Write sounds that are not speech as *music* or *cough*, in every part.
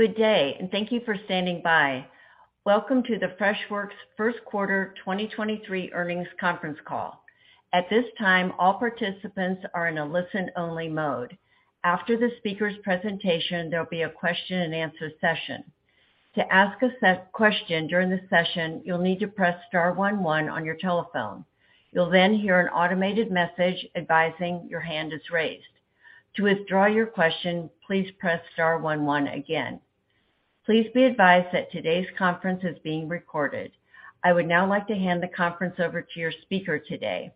Good day, and thank you for standing by. Welcome to the Freshworks 1st quarter 2023 earnings conference call. At this time, all participants are in a listen-only mode. After the speaker's presentation, there'll be a question and answer session. To ask a question during the session, you'll need to press star one one on your telephone. You'll hear an automated message advising your hand is raised. To withdraw your question, please press star one one again. Please be advised that today's conference is being recorded. I would now like to hand the conference over to your speaker today,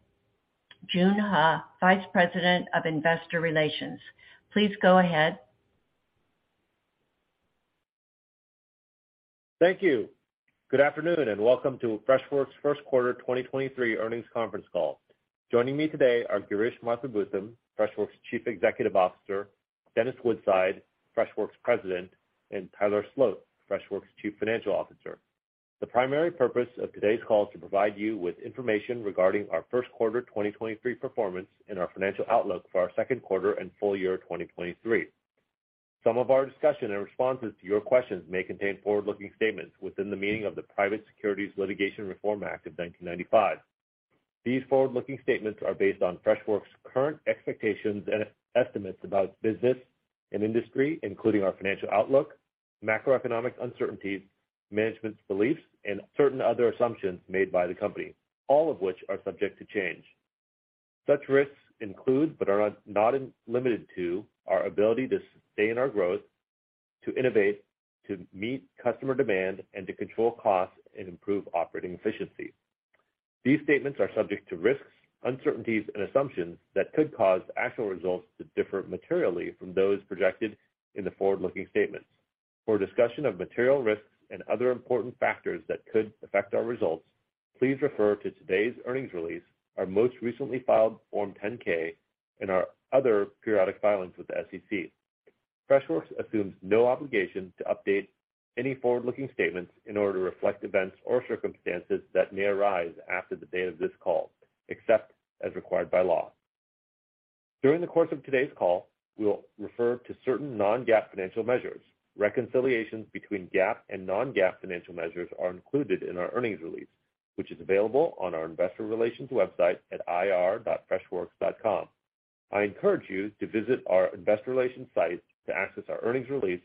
Joon Huh, Vice President of Investor Relations. Please go ahead. Thank you. Good afternoon, and welcome to Freshworks' 1st quarter 2023 earnings conference call. Joining me today are Girish Mathrubootham, Freshworks' Chief Executive Officer; Dennis Woodside, Freshworks' President; and Tyler Sloat, Freshworks' Chief Financial Officer. The primary purpose of today's call is to provide you with information regarding our 1st quarter 2023 performance and our financial outlook for our 2nd quarter and full year 2023. Some of our discussion and responses to your questions may contain forward-looking statements within the meaning of the Private Securities Litigation Reform Act of 1995. These forward-looking statements are based on Freshworks' current expectations and estimates about business and industry, including our financial outlook, macroeconomic uncertainties, management's beliefs, and certain other assumptions made by the company, all of which are subject to change. Such risks include, but are not limited to, our ability to sustain our growth, to innovate, to meet customer demand, and to control costs and improve operating efficiency. These statements are subject to risks, uncertainties, and assumptions that could cause actual results to differ materially from those projected in the forward-looking statements. For a discussion of material risks and other important factors that could affect our results, please refer to today's earnings release, our most recently filed Form 10-K, and our other periodic filings with the SEC. Freshworks assumes no obligation to update any forward-looking statements in order to reflect events or circumstances that may arise after the date of this call, except as required by law. During the course of today's call, we will refer to certain non-GAAP financial measures. Reconciliations between GAAP and non-GAAP financial measures are included in our earnings release, which is available on our investor relations website at ir.freshworks.com. I encourage you to visit our investor relations site to access our earnings release,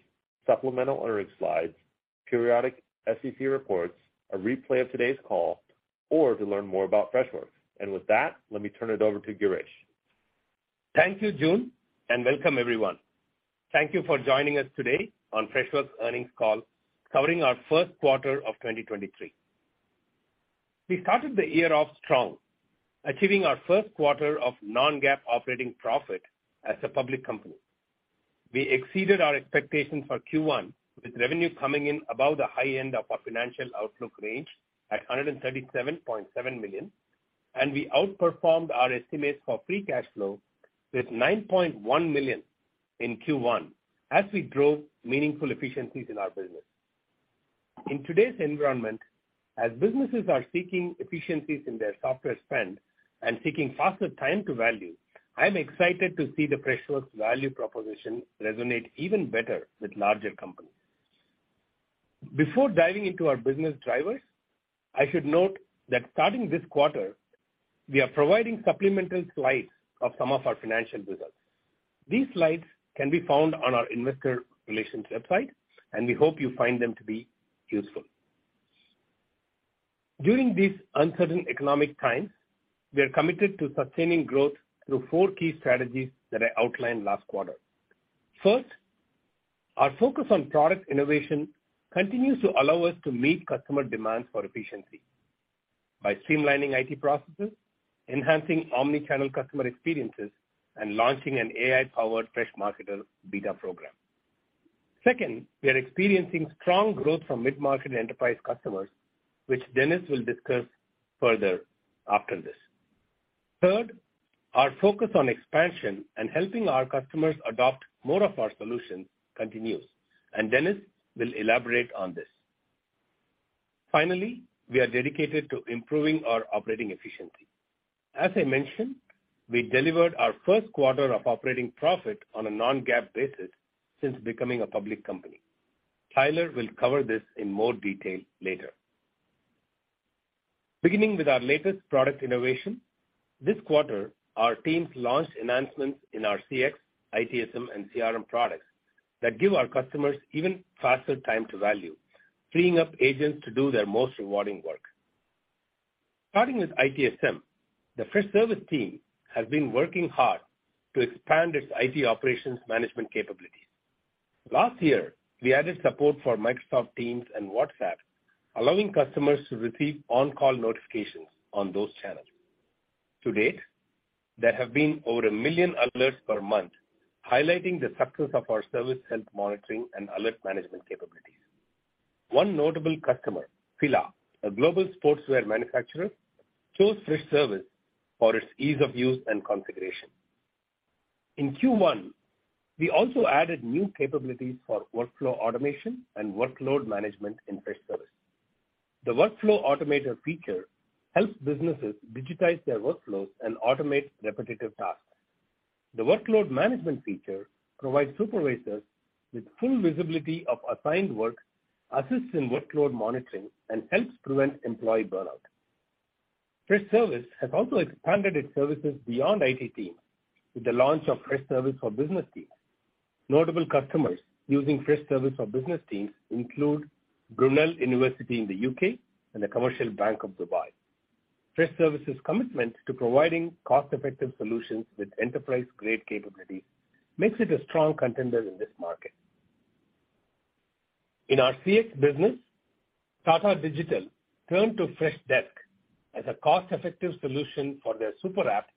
supplemental earnings slides, periodic SEC reports, a replay of today's call, or to learn more about Freshworks. With that, let me turn it over to Girish. Thank you Joon, and welcome everyone. Thank you for joining us today on Freshworks' earnings call covering our 1st quarter of 2023. We started the year off strong, achieving our 1st quarter of non-GAAP operating profit as a public company. We exceeded our expectations for Q1, with revenue coming in above the high end of our financial outlook range at $137.7 million, and we outperformed our estimates for free cash flow with $9.1 million in Q1 as we drove meaningful efficiencies in our business. In today's environment, as businesses are seeking efficiencies in their software spend and seeking faster time to value, I'm excited to see the Freshworks value proposition resonate even better with larger companies. Before diving into our business drivers, I should note that starting this quarter, we are providing supplemental slides of some of our financial results. These slides can be found on our investor relations website, and we hope you find them to be useful. During these uncertain economic times, we are committed to sustaining growth through four key strategies that I outlined last quarter. First, our focus on product innovation continues to allow us to meet customer demands for efficiency by streamlining IT processes, enhancing omni-channel customer experiences, and launching an AI-powered Freshmarketer beta program. Second, we are experiencing strong growth from mid-market enterprise customers, which Dennis will discuss further after this. Third, our focus on expansion and helping our customers adopt more of our solutions continues, and Dennis will elaborate on this. Finally, we are dedicated to improving our operating efficiency. As I mentioned, we delivered our 1st quarter of operating profit on a non-GAAP basis since becoming a public company. Tyler will cover this in more detail later. Beginning with our latest product innovation, this quarter our teams launched enhancements in our CX, ITSM, and CRM products that give our customers even faster time to value, freeing up agents to do their most rewarding work. Starting with ITSM, the Freshservice team has been working hard to expand its IT operations management capabilities. Last year, we added support for Microsoft Teams and WhatsApp, allowing customers to receive on-call notifications on those channels. Today, there have been over 1 million alerts per month, highlighting the success of our service health monitoring and alert management capabilities. One notable customer, FILA, a global sportswear manufacturer, choose Freshservice for its ease of use and configuration. In Q1, we also added new capabilities for workflow automation and workload management in Freshservice. The workflow automator feature helps businesses digitize their workflows and automate repetitive tasks. The workload management feature provides supervisors with full visibility of assigned work, assists in workload monitoring, and helps prevent employee burnout. Freshservice has also expanded its services beyond IT teams with the launch of Freshservice for Business Teams. Notable customers using Freshservice for Business Teams include Brunel University in the UK and the Commercial Bank of Dubai. Freshservice's commitment to providing cost-effective solutions with enterprise-grade capabilities makes it a strong contender in this market. In our CX business, Tata Digital turned to Freshdesk as a cost-effective solution for their super app,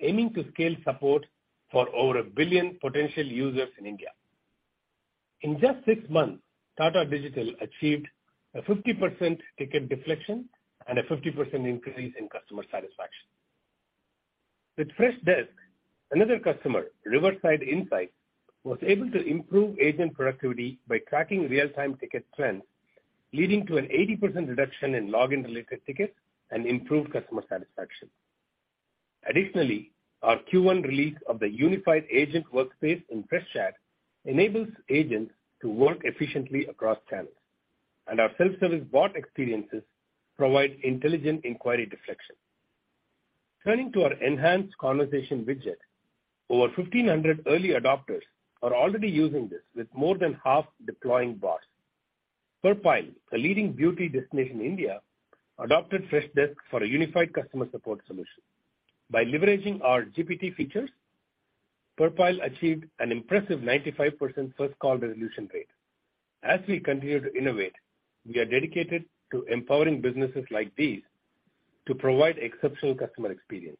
aiming to scale support for over 1 billion potential users in India. In just six months, Tata Digital achieved a 50% ticket deflection and a 50% increase in customer satisfaction. With Freshdesk, another customer, Riverside Insights, was able to improve agent productivity by tracking real-time ticket trends, leading to an 80% reduction in login-related tickets and improved customer satisfaction. Additionally, our Q1 release of the unified agent workspace in Freshchat enables agents to work efficiently across channels, and our self-service bot experiences provide intelligent inquiry deflection. Turning to our enhanced conversation widget, over 1,500 early adopters are already using this, with more than half deploying bots. Purplle, a leading beauty destination in India, adopted Freshdesk for a unified customer support solution. By leveraging our GPT features, Purplle achieved an impressive 95% first call resolution rate. As we continue to innovate, we are dedicated to empowering businesses like these to provide exceptional customer experiences.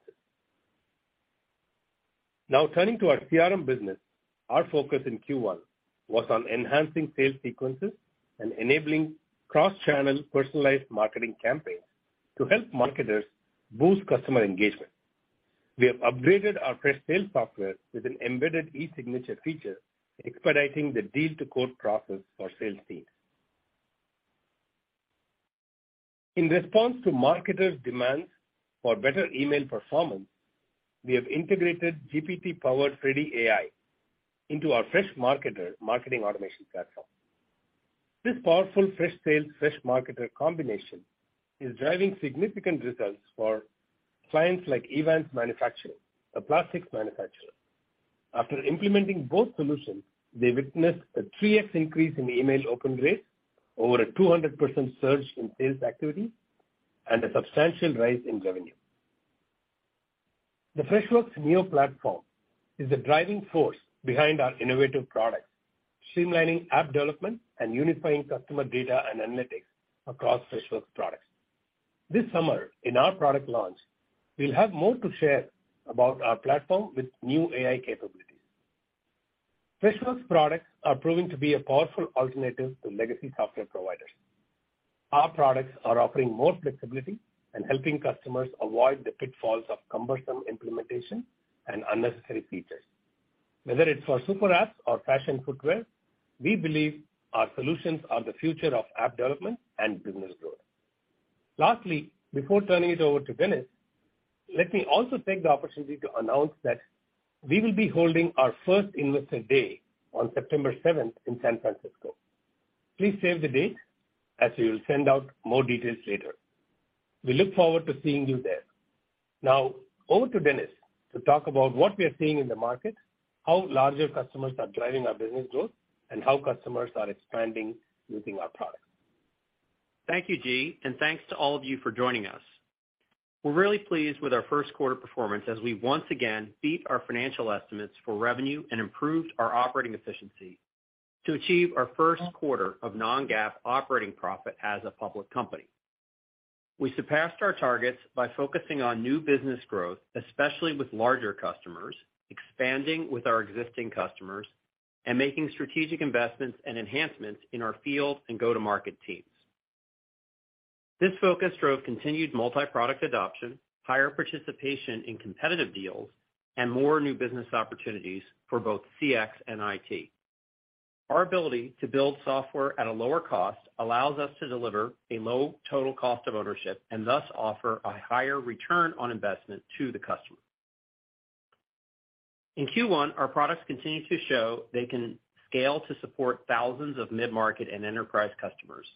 Now turning to our CRM business, our focus in Q1 was on enhancing sales sequences and enabling cross-channel personalized marketing campaigns to help marketers boost customer engagement. We have upgraded our Freshsales software with an embedded eSignature feature, expediting the deal to quote process for sales teams. In response to marketers' demands for better email performance, we have integrated GPT-powered Freddy AI into our Freshmarketer marketing automation platform. This powerful Freshsales, Freshmarketer combination is driving significant results for clients like Evans Manufacturing, a plastics manufacturer. After implementing both solutions, they witnessed a 3x increase in email open rate, over a 200% surge in sales activity, and a substantial rise in revenue. The Freshworks Neo platform is the driving force behind our innovative products, streamlining app development and unifying customer data and analytics across Freshworks products. This summer, in our product launch, we'll have more to share about our platform with new AI capabilities. Freshworks products are proving to be a powerful alternative to legacy software providers. Our products are offering more flexibility and helping customers avoid the pitfalls of cumbersome implementation and unnecessary features. Whether it's for super apps or fashion footwear, we believe our solutions are the future of app development and business growth. Lastly, before turning it over to Dennis, let me also take the opportunity to announce that we will be holding our first investor day on September seventh in San Francisco. Please save the date as we will send out more details later. We look forward to seeing you there. Now over to Dennis to talk about what we are seeing in the market, how larger customers are driving our business growth, and how customers are expanding using our products. Thank you, G. Thanks to all of you for joining us. We're really pleased with our 1st quarter performance as we once again beat our financial estimates for revenue and improved our operating efficiency to achieve our 1st quarter of non-GAAP operating profit as a public company. We surpassed our targets by focusing on new business growth, especially with larger customers, expanding with our existing customers, and making strategic investments and enhancements in our field and go-to-market teams. This focus drove continued multi-product adoption, higher participation in competitive deals, and more new business opportunities for both CX and IT. Our ability to build software at a lower cost allows us to deliver a low total cost of ownership and thus offer a higher return on investment to the customer. In Q1, our products continued to show they can scale to support thousands of mid-market and enterprise customers.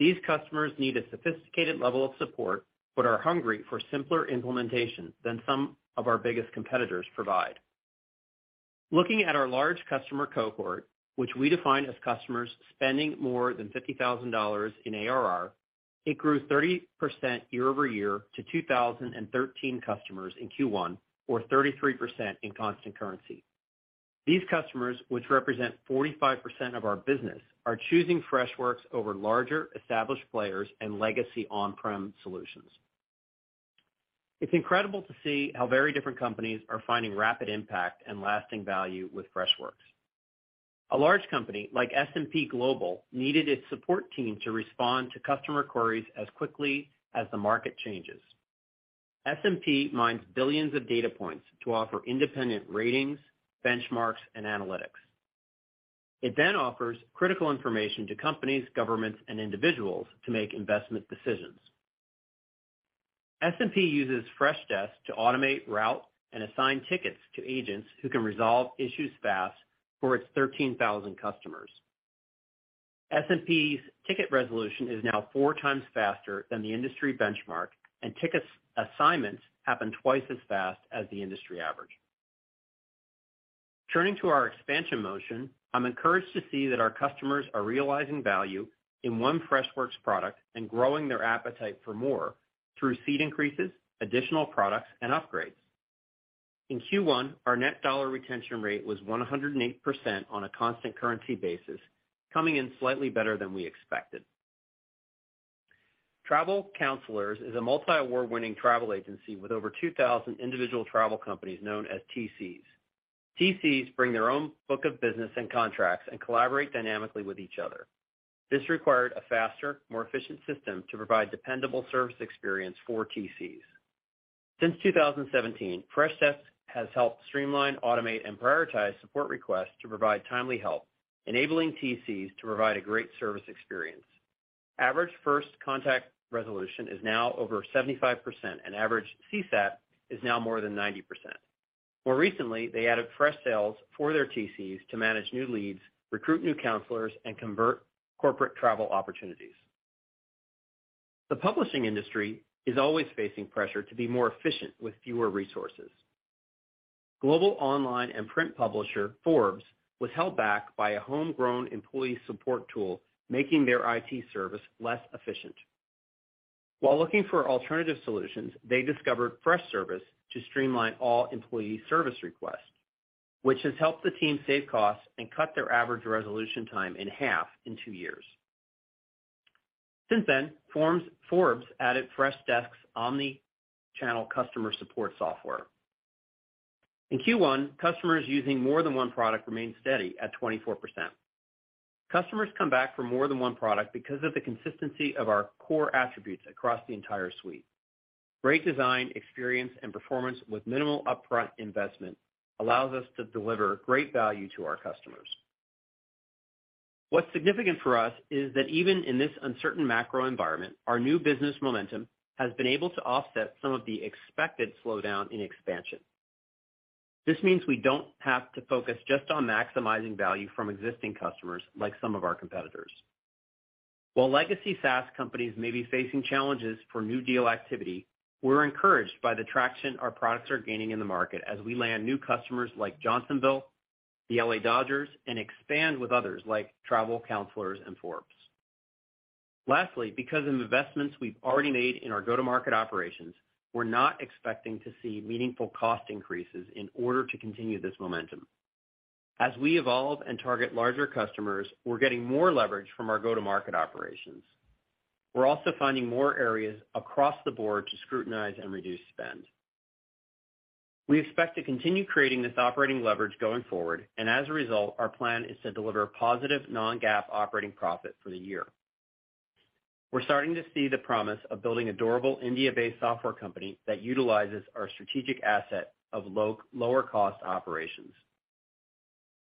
These customers need a sophisticated level of support, but are hungry for simpler implementation than some of our biggest competitors provide. Looking at our large customer cohort, which we define as customers spending more than $50,000 in ARR, it grew 30% year-over-year to 2,013 customers in Q1, or 33% in constant currency. These customers, which represent 45% of our business, are choosing Freshworks over larger established players and legacy on-prem solutions. It's incredible to see how very different companies are finding rapid impact and lasting value with Freshworks. A large company like S&P Global needed its support team to respond to customer queries as quickly as the market changes. S&P mines billions of data points to offer independent ratings, benchmarks, and analytics. It then offers critical information to companies, governments, and individuals to make investment decisions. S&P uses Freshdesk to automate, route, and assign tickets to agents who can resolve issues fast for its 13,000 customers. S&P's ticket resolution is now 4x faster than the industry benchmark, Tickets assignments happen 2x as fast as the industry average. Turning to our expansion motion, I'm encouraged to see that our customers are realizing value in one Freshworks product and growing their appetite for more through seat increases, additional products, and upgrades. In Q1, our net dollar retention rate was 108% on a constant currency basis, coming in slightly better than we expected. Travel Counsellors is a multi-award-winning travel agency with over 2,000 individual travel companies known as TCs. TCs bring their own book of business and contracts and collaborate dynamically with each other. This required a faster, more efficient system to provide dependable service experience for TCs. Since 2017, Freshdesk has helped streamline, automate, and prioritize support requests to provide timely help, enabling TCs to provide a great service experience. Average first contact resolution is now over 75%, and average CSAT is now more than 90%. More recently, they added Freshsales for their TCs to manage new leads, recruit new counselors, and convert corporate travel opportunities. The publishing industry is always facing pressure to be more efficient with fewer resources. Global online and print publisher, Forbes, was held back by a homegrown employee support tool, making their IT service less efficient. While looking for alternative solutions, they discovered Freshservice to streamline all employee service requests, which has helped the team save costs and cut their average resolution time in half in 2 years. Since then, Forbes added Freshdesk's omni-channel customer support software. In Q1, customers using more than one product remained steady at 24%. Customers come back for more than one product because of the consistency of our core attributes across the entire suite. Great design experience and performance with minimal upfront investment allows us to deliver great value to our customers. What's significant for us is that even in this uncertain macro environment, our new business momentum has been able to offset some of the expected slowdown in expansion. This means we don't have to focus just on maximizing value from existing customers, like some of our competitors. While legacy SaaS companies may be facing challenges for new deal activity, we're encouraged by the traction our products are gaining in the market as we land new customers like Johnsonville, the L.A. Dodgers, and expand with others like Travel Counsellors and Forbes. Lastly, because of investments we've already made in our go-to-market operations, we're not expecting to see meaningful cost increases in order to continue this momentum. As we evolve and target larger customers, we're getting more leverage from our go-to-market operations. We're also finding more areas across the board to scrutinize and reduce spend. We expect to continue creating this operating leverage going forward. As a result, our plan is to deliver positive non-GAAP operating profit for the year. We're starting to see the promise of building a durable India-based software company that utilizes our strategic asset of lower cost operations.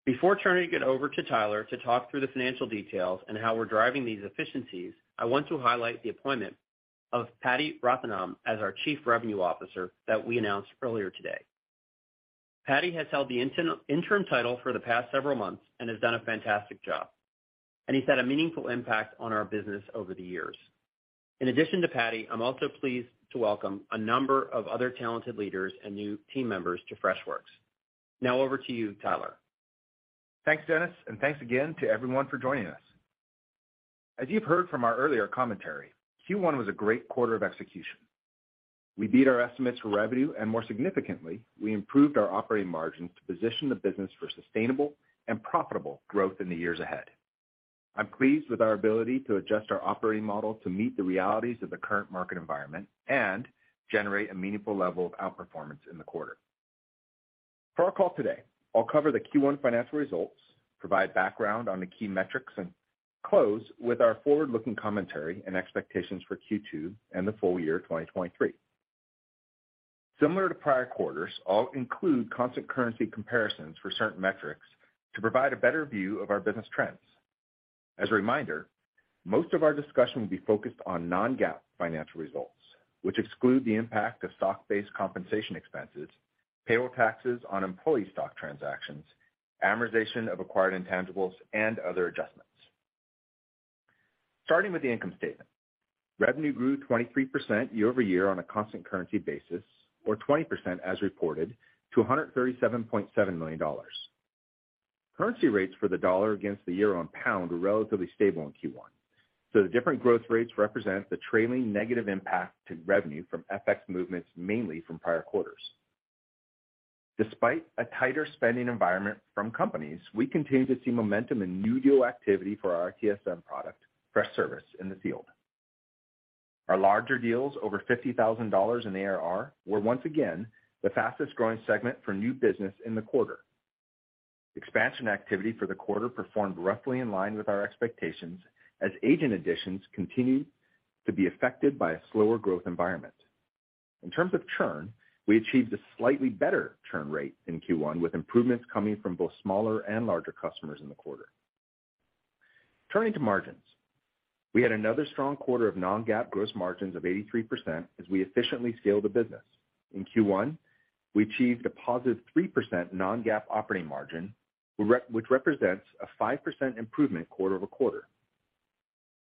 Before turning it over to Tyler to talk through the financial details and how we're driving these efficiencies, I want to highlight the appointment of Pradeep Rathinam as our Chief Revenue Officer that we announced earlier today. Pradeep has held the interim title for the past several months and has done a fantastic job, and he's had a meaningful impact on our business over the years. In addition to Pradeep, I'm also pleased to welcome a number of other talented leaders and new team members to Freshworks. Over to you, Tyler. Thanks, Dennis. Thanks again to everyone for joining us. As you've heard from our earlier commentary, Q1 was a great quarter of execution. We beat our estimates for revenue, and more significantly, we improved our operating margins to position the business for sustainable and profitable growth in the years ahead. I'm pleased with our ability to adjust our operating model to meet the realities of the current market environment and generate a meaningful level of outperformance in the quarter. For our call today, I'll cover the Q1 financial results, provide background on the key metrics, and close with our forward-looking commentary and expectations for Q2 and the full year 2023. Similar to prior quarters, I'll include constant currency comparisons for certain metrics to provide a better view of our business trends. As a reminder, most of our discussion will be focused on non-GAAP financial results, which exclude the impact of stock-based compensation expenses, payroll taxes on employee stock transactions, amortization of acquired intangibles, and other adjustments. Starting with the income statement. Revenue grew 23% year-over-year on a constant currency basis or 20% as reported to $137.7 million. Currency rates for the dollar against the euro and pound were relatively stable in Q1. The different growth rates represent the trailing negative impact to revenue from FX movements, mainly from prior quarters. Despite a tighter spending environment from companies, we continue to see momentum and new deal activity for our ITSM product, Freshservice, in the field. Our larger deals over $50,000 in ARR were once again the fastest-growing segment for new business in the quarter. Expansion activity for the quarter performed roughly in line with our expectations as agent additions continue to be affected by a slower growth environment. In terms of churn, we achieved a slightly better churn rate in Q1, with improvements coming from both smaller and larger customers in the quarter. Turning to margins. We had another strong quarter of non-GAAP gross margins of 83% as we efficiently scale the business. In Q1, we achieved a positive 3% non-GAAP operating margin, which represents a 5% improvement quarter-over-quarter.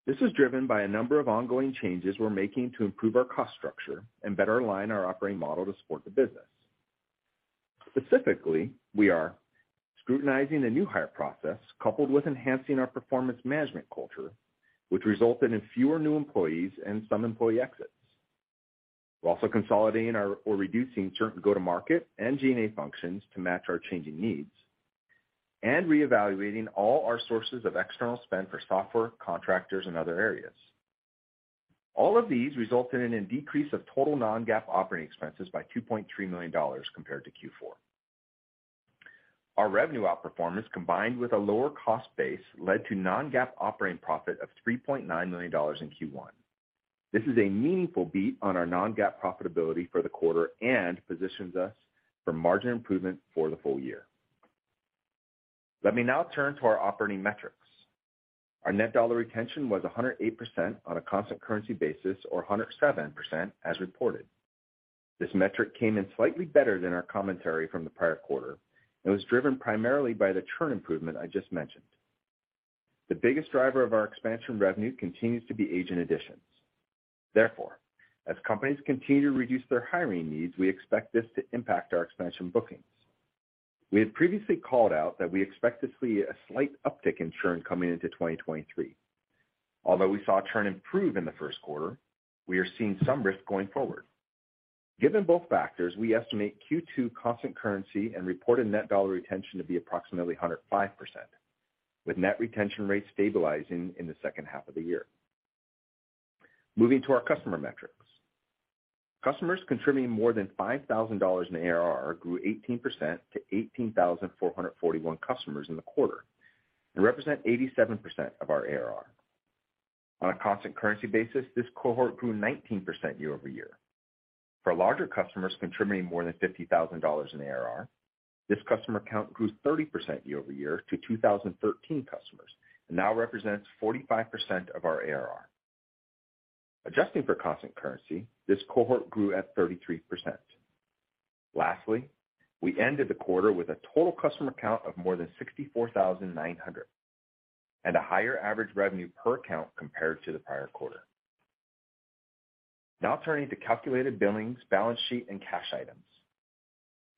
This is driven by a number of ongoing changes we're making to improve our cost structure and better align our operating model to support the business. Specifically, we are scrutinizing the new hire process, coupled with enhancing our performance management culture, which resulted in fewer new employees and some employee exits. We're also consolidating or reducing certain go-to-market and G&A functions to match our changing needs, and reevaluating all our sources of external spend for software, contractors, and other areas. All of these resulted in a decrease of total non-GAAP operating expenses by $2.3 million compared to Q4. Our revenue outperformance, combined with a lower cost base, led to non-GAAP operating profit of $3.9 million in Q1. This is a meaningful beat on our non-GAAP profitability for the quarter and positions us for margin improvement for the full year. Let me now turn to our operating metrics. Our net dollar retention was 108% on a constant currency basis, or 107% as reported. This metric came in slightly better than our commentary from the prior quarter, and was driven primarily by the churn improvement I just mentioned. The biggest driver of our expansion revenue continues to be agent additions. Therefore, as companies continue to reduce their hiring needs, we expect this to impact our expansion bookings. We had previously called out that we expect to see a slight uptick in churn coming into 2023. Although we saw churn improve in the 1st quarter, we are seeing some risk going forward. Given both factors, we estimate Q2 constant currency and reported net dollar retention to be approximately 105%, with net retention rates stabilizing in the second half of the year. Moving to our customer metrics. Customers contributing more than $5,000 in ARR grew 18% to 18,441 customers in the quarter, and represent 87% of our ARR. On a constant currency basis, this cohort grew 19% year-over-year. For larger customers contributing more than $50,000 in ARR, this customer count grew 30% year-over-year to 2,013 customers, and now represents 45% of our ARR. Adjusting for constant currency, this cohort grew at 33%. Lastly, we ended the quarter with a total customer count of more than 64,900, and a higher average revenue per count compared to the prior quarter. Now turning to calculated billings, balance sheet, and cash items.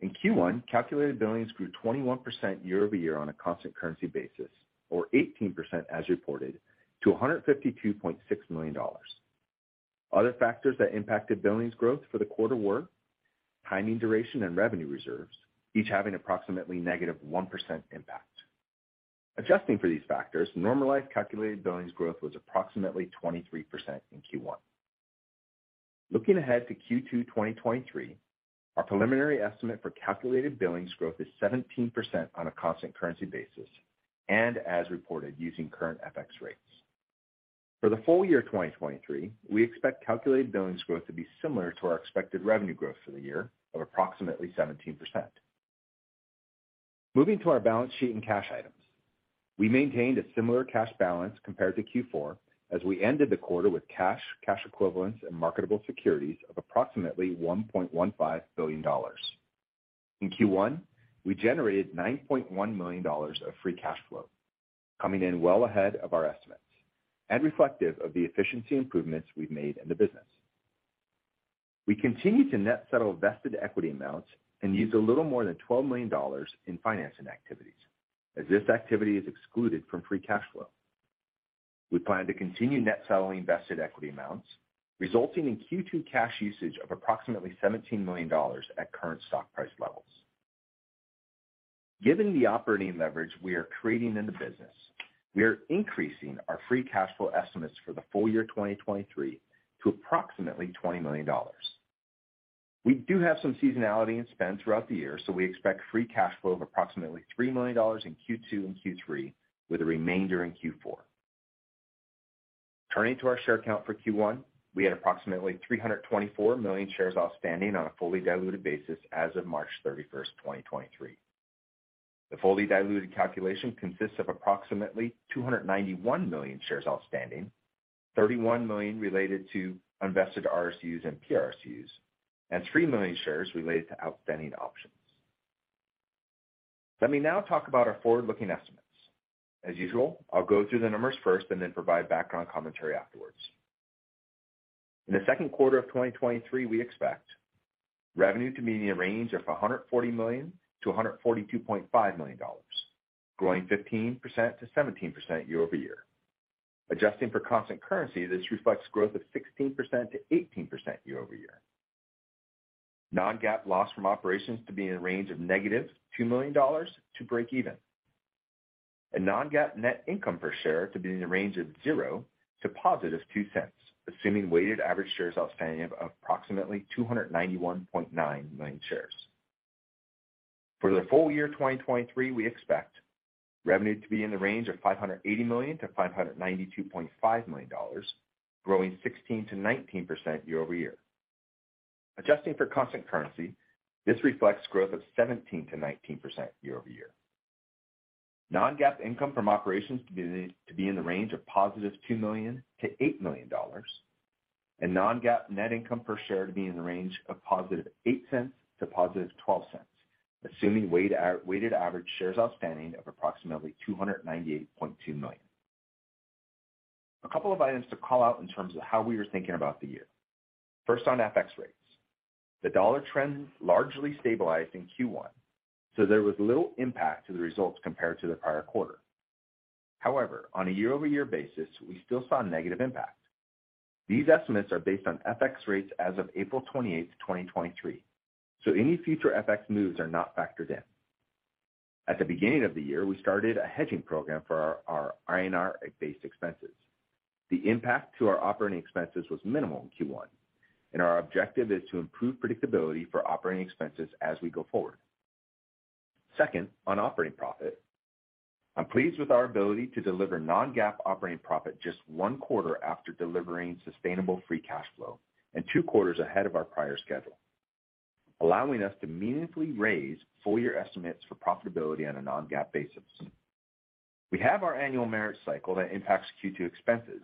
In Q1, calculated billings grew 21% year-over-year on a constant currency basis, or 18% as reported to $152.6 million. Other factors that impacted billings growth for the quarter were timing, duration, and revenue reserves, each having approximately negative 1% impact. Adjusting for these factors, normalized calculated billings growth was approximately 23% in Q1. Looking ahead to Q2 2023, our preliminary estimate for calculated billings growth is 17% on a constant currency basis, and as reported using current FX rates. For the full year 2023, we expect calculated billings growth to be similar to our expected revenue growth for the year of approximately 17%. Moving to our balance sheet and cash items. We maintained a similar cash balance compared to Q4 as we ended the quarter with cash equivalents, and marketable securities of approximately $1.15 billion. In Q1, we generated $9.1 million of free cash flow, coming in well ahead of our estimates and reflective of the efficiency improvements we've made in the business. We continue to net settle vested equity amounts and use a little more than $12 million in financing activities, as this activity is excluded from free cash flow. We plan to continue net settling vested equity amounts, resulting in Q2 cash usage of approximately $17 million at current stock price levels. Given the operating leverage we are creating in the business, we are increasing our free cash flow estimates for the full year 2023 to approximately $20 million. We do have some seasonality in spend throughout the year, so we expect free cash flow of approximately $3 million in Q2 and Q3, with a remainder in Q4. Turning to our share count for Q1, we had approximately 324 million shares outstanding on a fully diluted basis as of March 31, 2023. The fully diluted calculation consists of approximately 291 million shares outstanding, 31 million related to unvested RSUs and PRSUs, and 3 million shares related to outstanding options. Let me now talk about our forward-looking estimates. As usual, I'll go through the numbers first and then provide background commentary afterwards. In the 2nd quarter of 2023, we expect revenue to be in the range of $140 million-$142.5 million, growing 15%-17% year-over-year. Adjusting for constant currency, this reflects growth of 16%-18% year-over-year. Non-GAAP loss from operations to be in the range of -$2 million to break even. Non-GAAP net income per share to be in the range of $0-$0.02, assuming weighted average shares outstanding of approximately 291.9 million shares. For the full year 2023, we expect revenue to be in the range of $580 million-$592.5 million, growing 16%-19% year-over-year. Adjusting for constant currency, this reflects growth of 17%-19% year-over-year. Non-GAAP income from operations to be in the range of +$2 million-$8 million, and non-GAAP net income per share to be in the range of +$0.08 to +$0.12, assuming weighted average shares outstanding of approximately 298.2 million. A couple of items to call out in terms of how we are thinking about the year. First, on FX rates. The dollar trend largely stabilized in Q1, so there was little impact to the results compared to the prior quarter. However, on a year-over-year basis, we still saw negative impact. These estimates are based on FX rates as of April 28th, 2023. Any future FX moves are not factored in. At the beginning of the year, we started a hedging program for our INR-based expenses. The impact to our operating expenses was minimal in Q1, and our objective is to improve predictability for operating expenses as we go forward. Second, on operating profit. I'm pleased with our ability to deliver non-GAAP operating profit just 1 quarter after delivering sustainable free cash flow and 2 quarters ahead of our prior schedule, allowing us to meaningfully raise full year estimates for profitability on a non-GAAP basis. We have our annual merit cycle that impacts Q2 expenses.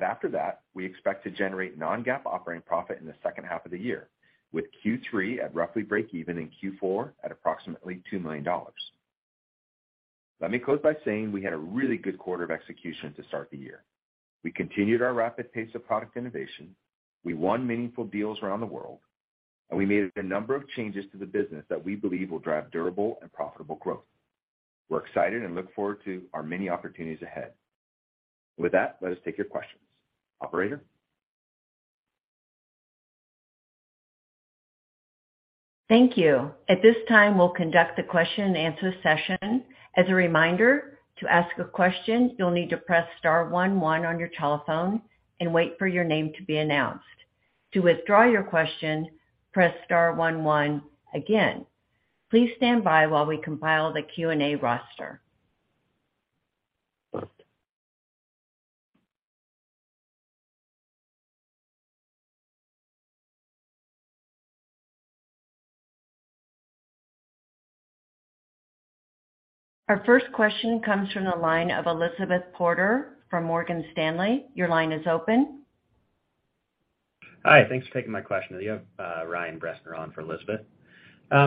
After that, we expect to generate non-GAAP operating profit in the second half of the year, with Q3 at roughly breakeven in Q4 at approximately $2 million. Let me close by saying we had a really good quarter of execution to start the year. We continued our rapid pace of product innovation. We won meaningful deals around the world. We made a number of changes to the business that we believe will drive durable and profitable growth. We're excited. Look forward to our many opportunities ahead. With that, let us take your questions. Operator? Thank you. At this time, we'll conduct the question-and-answer session. As a reminder, to ask a question, you'll need to press star one one on your telephone and wait for your name to be announced. To withdraw your question, press star one one again. Please stand by while we compile the Q&A roster. Our first question comes from the line of Elizabeth Porter from Morgan Stanley. Your line is open. Hi. Thanks for taking my question. You have Ryan Bressner on for Elizabeth.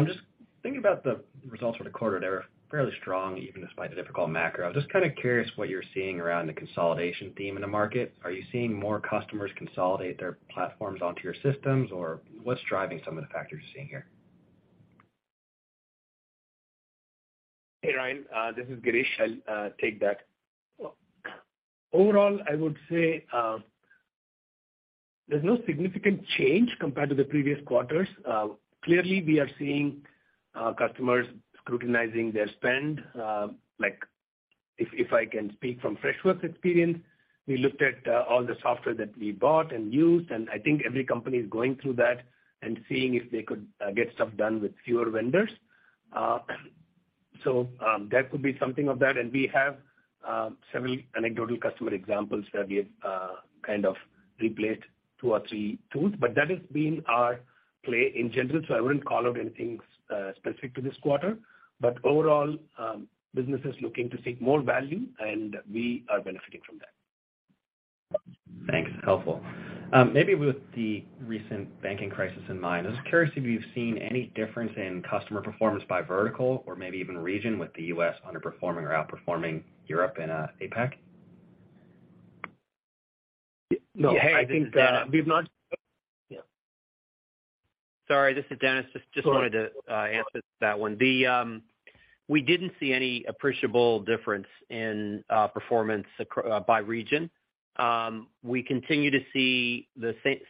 Just thinking about the results for the quarter, they were fairly strong, even despite the difficult macro. I'm just kinda curious what you're seeing around the consolidation theme in the market. Are you seeing more customers consolidate their platforms onto your systems, or what's driving some of the factors you're seeing here? Hey, Ryan. This is Girish. I'll take that. Overall, I would say, there's no significant change compared to the previous quarters. Clearly, we are seeing customers scrutinizing their spend. Like if I can speak from Freshworks' experience, we looked at all the software that we bought and used, and I think every company is going through that and seeing if they could get stuff done with fewer vendors. So, that could be something of that. And we have several anecdotal customer examples where we have kind of replaced two or three tools. That has been our play in general, so I wouldn't call out anything specific to this quarter. Overall, business is looking to seek more value, and we are benefiting from that. Thanks. Helpful. Maybe with the recent banking crisis in mind, I was curious if you've seen any difference in customer performance by vertical or maybe even region with the U.S. underperforming or outperforming Europe and APAC? *crosstalk* No, I think. Yeah. Hey, I think, we've not. Yeah. Sorry, this is Dennis. Go ahead. Just wanted to answer that one. We didn't see any appreciable difference in performance by region. We continue to see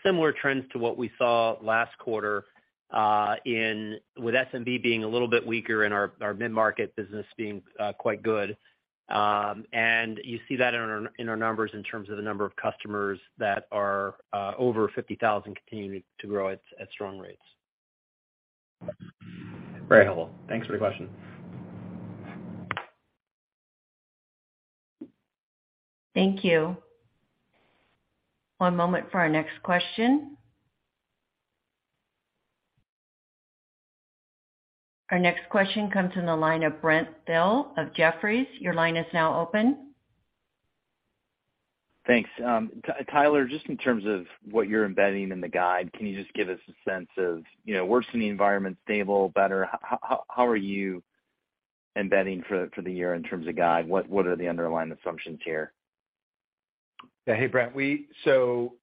similar trends to what we saw last quarter, with SMB being a little bit weaker and our mid-market business being quite good. You see that in our numbers in terms of the number of customers that are over 50,000 continuing to grow at strong rates. Very helpful. Thanks for the question. Thank you. One moment for our next question. Our next question comes in the line of Brent Thill of Jefferies. Your line is now open. Thanks. Tyler, just in terms of what you're embedding in the guide, can you just give us a sense of, you know, worse than the environment, stable, better? How are you embedding for the year in terms of guide? What are the underlying assumptions here? Hey, Brent. There's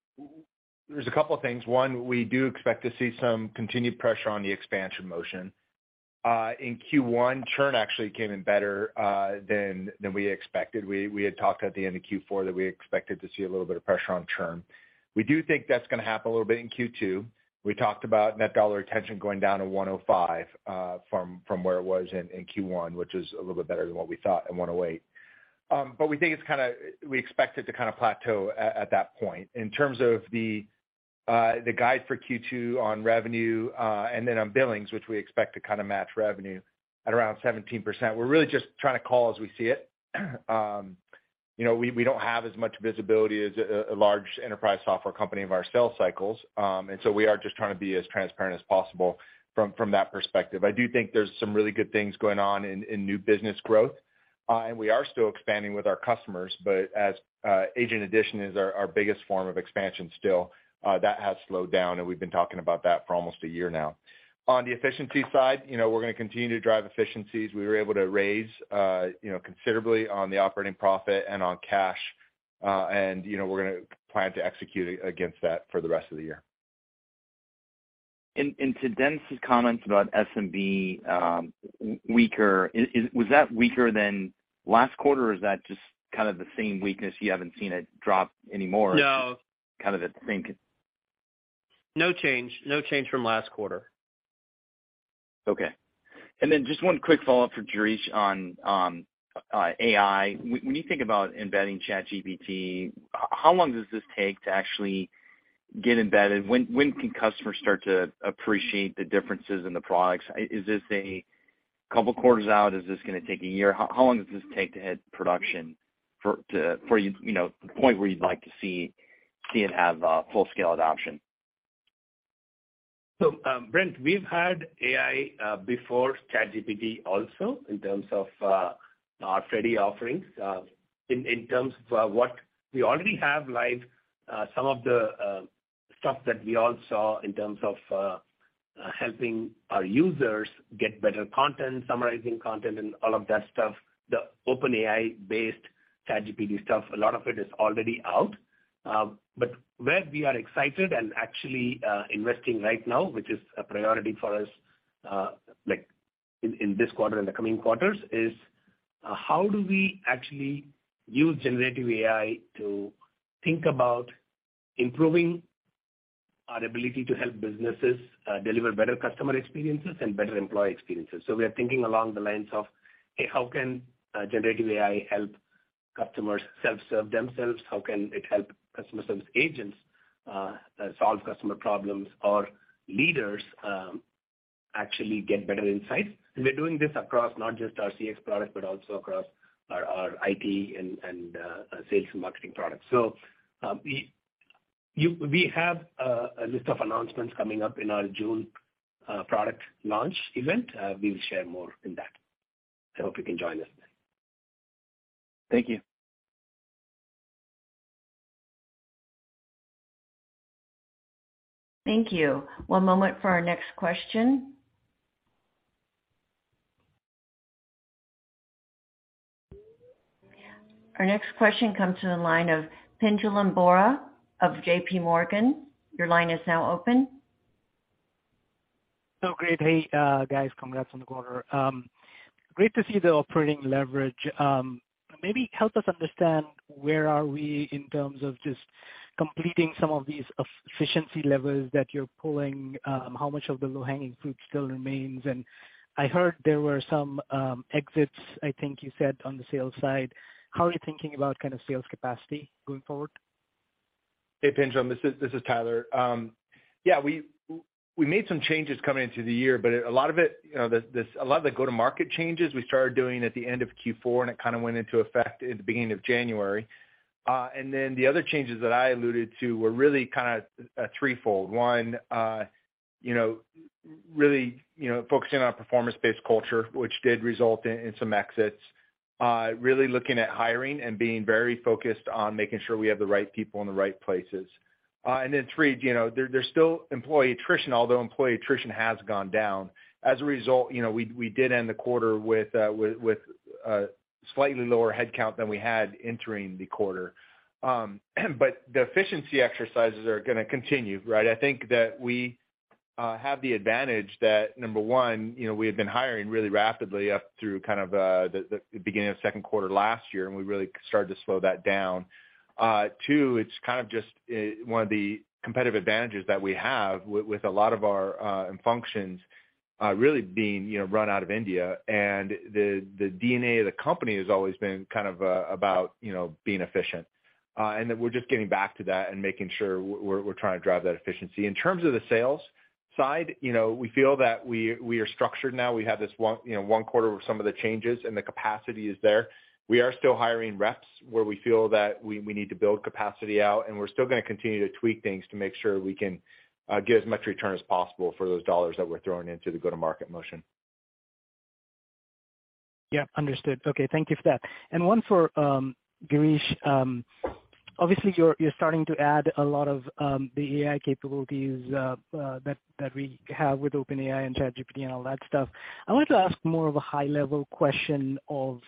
a couple of things. One, we do expect to see some continued pressure on the expansion motion. In Q1, churn actually came in better than we expected. We had talked at the end of Q4 that we expected to see a little bit of pressure on churn. We do think that's gonna happen a little bit in Q2. We talked about net dollar retention going down to 105 from where it was in Q1, which is a little bit better than what we thought in 108. But we think it's kinda. We expect it to kinda plateau at that point. In terms of the guide for Q2 on revenue, and then on billings, which we expect to kinda match revenue at around 17%, we're really just trying to call as we see it. You know, we don't have as much visibility as a large enterprise software company of our sales cycles. We are just trying to be as transparent as possible from that perspective. I do think there's some really good things going on in new business growth, and we are still expanding with our customers. As agent addition is our biggest form of expansion still, that has slowed down, and we've been talking about that for almost a year now. On the efficiency side, you know, we're going to continue to drive efficiencies. We were able to raise, you know, considerably on the operating profit and on cash. You know, we're going to plan to execute against that for the rest of the year. To Dennis' comments about SMB, weaker, Was that weaker than last quarter, or is that just kind of the same weakness, you haven't seen it drop any more? No Kind of the same. No change. No change from last quarter. Okay. Just one quick follow-up for Girish on AI. When you think about embedding ChatGPT, how long does this take to actually get embedded? When can customers start to appreciate the differences in the products? Is this a couple quarters out? Is this gonna take a year? How long does this take to hit production for you know, the point where you'd like to see it have full scale adoption? Brent, we've had AI before ChatGPT also in terms of our Freddy offerings. In terms of what we already have live, some of the stuff that we all saw in terms of helping our users get better content, summarizing content, and all of that stuff, the OpenAI-based ChatGPT stuff, a lot of it is already out. Where we are excited and actually investing right now, which is a priority for us, like in this quarter and the coming quarters, is how do we actually use generative AI to think about improving our ability to help businesses deliver better customer experiences and better employee experiences. We are thinking along the lines of, hey, how can generative AI help customers self-serve themselves? How can it help customer service agents solve customer problems, or leaders actually get better insights? We're doing this across not just our CX product, but also across our IT and sales and marketing products. We have a list of announcements coming up in our June product launch event. We'll share more in that. I hope you can join us then. Thank you. Thank you. One moment for our next question. Our next question comes to the line of Pinjalim Bora of JPMorgan. Your line is now open. Great. Hey, guys, congrats on the quarter. Great to see the operating leverage. Maybe help us understand where are we in terms of just completing some of these efficiency levers that you're pulling, how much of the low-hanging fruit still remains? I heard there were some exits, I think you said, on the sales side. How are you thinking about kind of sales capacity going forward? Hey, Pinjalim, this is Tyler. We made some changes coming into the year, but a lot of it, you know, a lot of the go-to-market changes we started doing at the end of Q4, and it kinda went into effect at the beginning of January. The other changes that I alluded to were really kinda threefold. One, you know, really, you know, focusing on performance-based culture, which did result in some exits. Really looking at hiring and being very focused on making sure we have the right people in the right places. Three, you know, there's still employee attrition, although employee attrition has gone down. As a result, you know, we did end the quarter with slightly lower headcount than we had entering the quarter. The efficiency exercises are gonna continue, right? I think that we have the advantage that, number one, you know, we had been hiring really rapidly up through kind of the beginning of the 2nd quarter last year, and we really started to slow that down. Two, it's kind of just one of the competitive advantages that we have with a lot of our functions really being, you know, run out of India. The DNA of the company has always been kind of about, you know, being efficient, and that we're just getting back to that and making sure we're trying to drive that efficiency. In terms of the sales side, you know, we feel that we are structured now. We have this one, you know, one quarter of some of the changes. The capacity is there. We are still hiring reps where we feel that we need to build capacity out. We're still gonna continue to tweak things to make sure we can get as much return as possible for those dollars that we're throwing into the go-to-market motion. Yeah. Understood. Okay, thank you for that. One for Girish. Obviously you're starting to add a lot of the AI capabilities that we have with OpenAI and ChatGPT and all that stuff. I wanted to ask more of a high-level question of,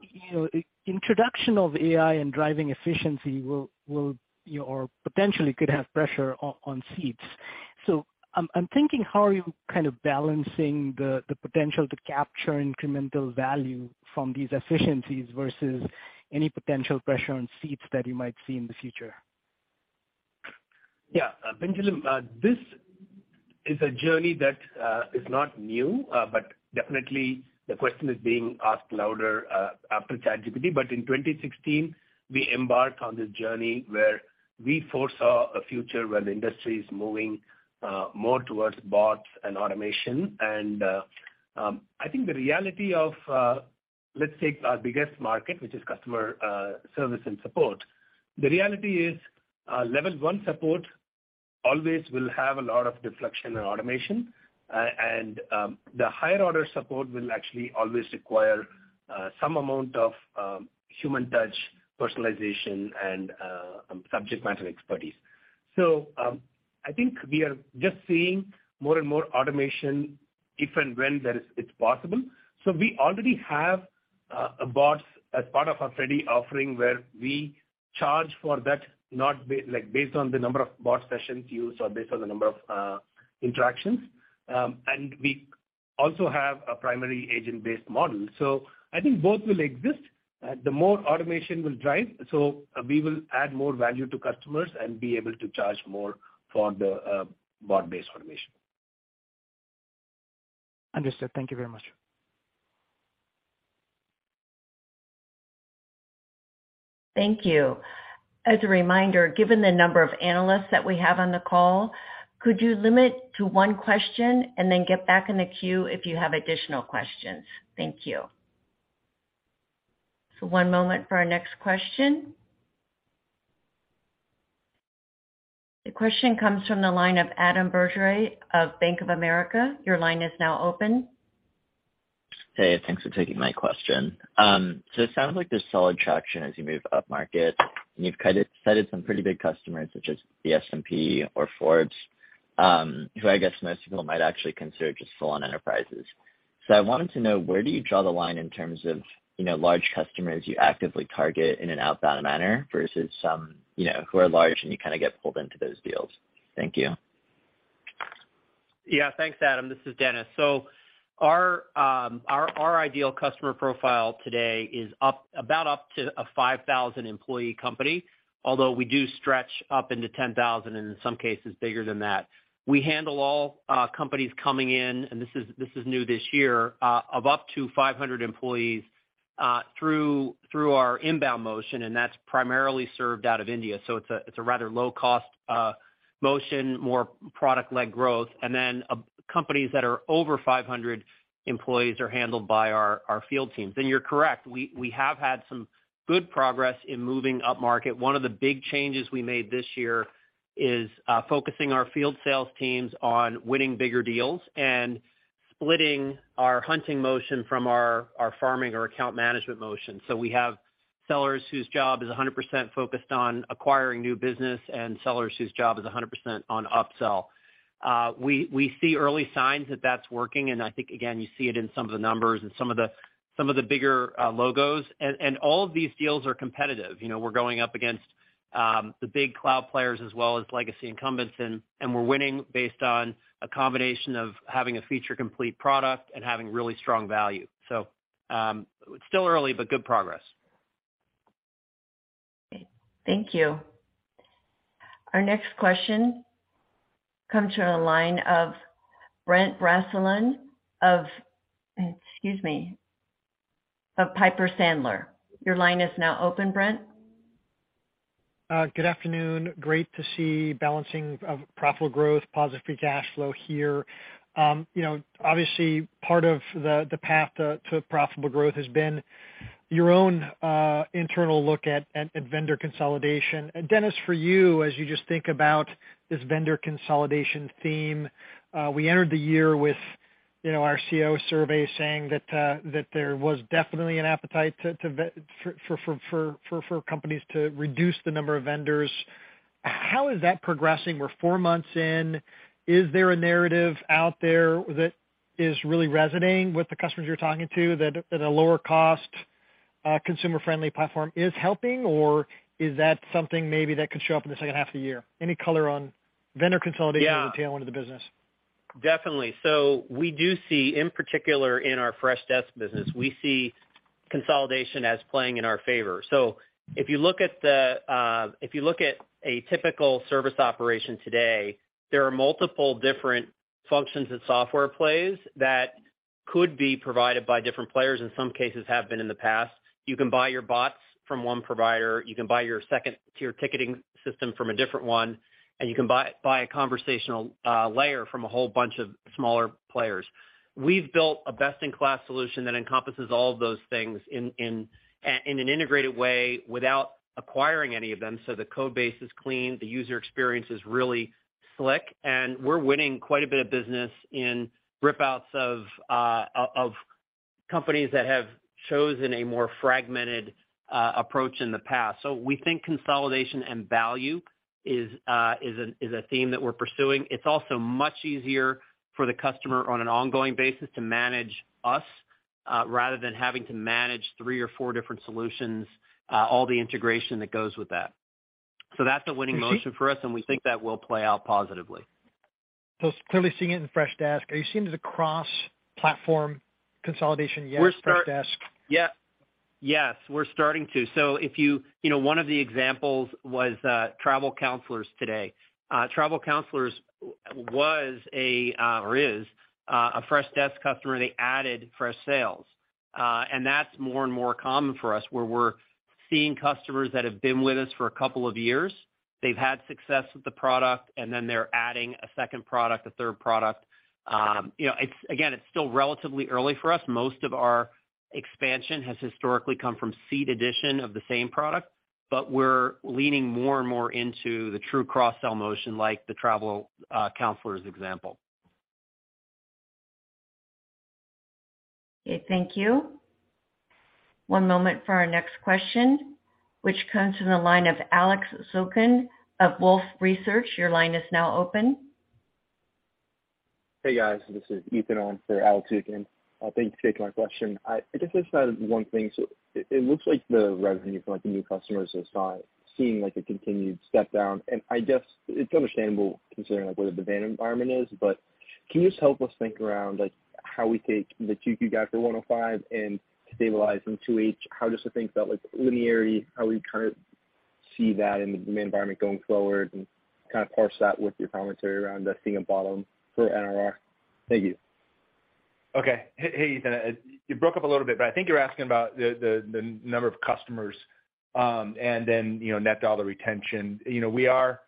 you know, introduction of AI and driving efficiency will, you know, or potentially could have pressure on seats. I'm thinking how are you kind of balancing the potential to capture incremental value from these efficiencies versus any potential pressure on seats that you might see in the future? Yeah. Pinjalim, this is a journey that is not new, but definitely the question is being asked louder after ChatGPT. In 2016, we embarked on this journey where we foresaw a future where the industry is moving more towards bots and automation. I think the reality of, let's take our biggest market, which is customer service and support. The reality is, level 1 support always will have a lot of deflection and automation. The higher order support will actually always require some amount of human touch, personalization, and subject matter expertise. I think we are just seeing more and more automation if and when it's possible. We already have bots as part of our Freddy offering, where we charge for that, based on the number of bot sessions used or based on the number of interactions. We also have a primary agent-based model. I think both will exist. The more automation will drive, we will add more value to customers and be able to charge more for the bot-based automation. Understood. Thank you very much. Thank you. As a reminder, given the number of analysts that we have on the call, could you limit to one question and then get back in the queue if you have additional questions? Thank you. One moment for our next question. The question comes from the line of Adam Bergere of Bank of America. Your line is now open. Hey, thanks for taking my question. It sounds like there's solid traction as you move up market, and you've cited some pretty big customers such as the S&P or Forbes, who I guess most people might actually consider just full-on enterprises. I wanted to know, where do you draw the line in terms of, you know, large customers you actively target in an outbound manner versus some, you know, who are large and you kinda get pulled into those deals? Thank you. Yeah. Thanks, Adam. This is Dennis. Our ideal customer profile today is about up to a 5,000 employee company, although we do stretch up into 10,000, and in some cases bigger than that. We handle all companies coming in, and this is new this year, of up to 500 employees, through our inbound motion, and that's primarily served out of India. It's a rather low cost motion, more product-led growth. Companies that are over 500 employees are handled by our field teams. You're correct, we have had some good progress in moving up market. One of the big changes we made this year is focusing our field sales teams on winning bigger deals and splitting our hunting motion from our farming or account management motion. We have sellers whose job is 100% focused on acquiring new business and sellers whose job is 100% on upsell. We see early signs that that's working, and I think, again, you see it in some of the numbers and some of the bigger logos. All of these deals are competitive. You know, we're going up against the big cloud players as well as legacy incumbents, and we're winning based on a combination of having a feature complete product and having really strong value. It's still early, but good progress. Thank you. Our next question comes from the line of Brent Bracelin of Piper Sandler. Your line is now open, Brent. Good afternoon. Great to see balancing of profitable growth, positive free cash flow here. you know, obviously part of the path to profitable growth has been your own internal look at vendor consolidation. Dennis, for you, as you just think about this vendor consolidation theme, we entered the year with, you know, our CIO survey saying that there was definitely an appetite to for companies to reduce the number of vendors. How is that progressing? We're 4 months in. Is there a narrative out there that is really resonating with the customers you're talking to that a lower cost, consumer-friendly platform is helping, or is that something maybe that could show up in the second half of the year? Any color on vendor consolidation or the tail end of the business? Yeah. Definitely. We do see, in particular in our Freshdesk business, we see consolidation as playing in our favor. If you look at the, if you look at a typical service operation today, there are multiple different functions that software plays that could be provided by different players, in some cases have been in the past. You can buy your bots from one provider, you can buy your second-tier ticketing system from a different one, and you can buy a conversational layer from a whole bunch of smaller players. We've built a best-in-class solution that encompasses all of those things in an integrated way without acquiring any of them. The code base is clean, the user experience is really slick, and we're winning quite a bit of business in ripouts of companies that have chosen a more fragmented approach in the past. We think consolidation and value is a theme that we're pursuing. It's also much easier for the customer on an ongoing basis to manage us rather than having to manage three or four different solutions, all the integration that goes with that. That's a winning motion for us, and we think that will play out positively. Clearly seeing it in Freshdesk. Are you seeing it as a cross-platform consolidation, yes, Freshdesk? Yeah. Yes, we're starting to. If you know, one of the examples was Travel Counsellors today. Travel Counsellors was a or is a Freshdesk customer, they added Freshsales. That's more and more common for us, where we're seeing customers that have been with us for a couple of years. They've had success with the product, then they're adding a second product, a third product. You know, it's again, it's still relatively early for us. Most of our expansion has historically come from seed addition of the same product, but we're leaning more and more into the true cross-sell motion, like the Travel Counsellors' example. Okay, thank you. One moment for our next question, which comes from the line of Alex Zukin of Wolfe Research. Your line is now open. Hey, guys. This is Ethan on for Alex Zukin. Thank you for taking my question. I guess there's not one thing. It looks like the revenue from like, the new customers is not seeing like, a continued step down. I guess it's understandable considering like, where the van environment is. Can you just help us think around, like how we take the Q2 guide for 105 and stabilize in 2H, how does the thing felt like linear? How we kind of see that in the main environment going forward and kind of parse that with your commentary around seeing a bottom for NRR? Thank you. Okay. Hey, Ethan, you broke up a little bit, but I think you're asking about the number of customers, you know, net dollar retention. We are,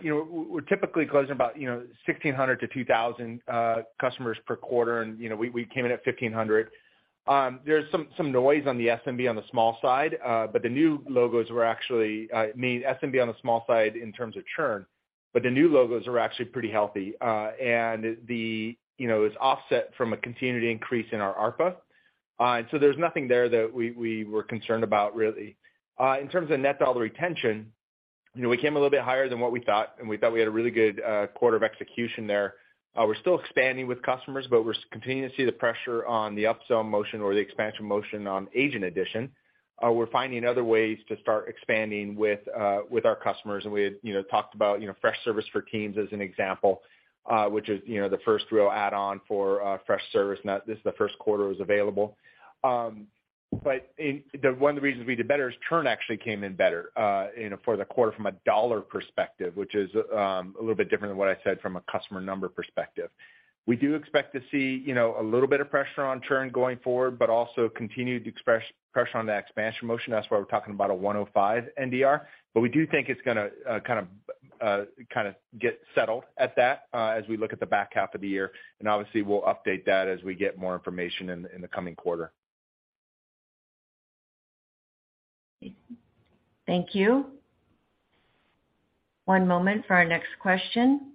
you know, we're typically closing about, you know, 1,600 to 2,000 customers per quarter, you know, we came in at 1,500. There's some noise on the SMB on the small side, the new logos were actually, I mean, SMB on the small side in terms of churn. The new logos are actually pretty healthy. The, you know, is offset from a continued increase in our ARPA. There's nothing there that we were concerned about really. In terms of net dollar retention, you know, we came a little bit higher than what we thought, we thought we had a really good quarter of execution there. We're still expanding with customers, but we're continuing to see the pressure on the upsell motion or the expansion motion on agent addition. We're finding other ways to start expanding with our customers. We had, you know, talked about, you know, Freshservice for Business Teams as an example, which is, you know, the first real add-on for Freshservice. Now, this is the 1st quarter it was available. The one of the reasons we did better is churn actually came in better, you know, for the quarter from a dollar perspective, which is a little bit different than what I said from a customer number perspective. We do expect to see, you know, a little bit of pressure on churn going forward, but also continued pressure on the expansion motion. That's why we're talking about a 105 NDR. We do think it's gonna kinda get settled at that as we look at the back half of the year. Obviously we'll update that as we get more information in the coming quarter. Thank you. One moment for our next question,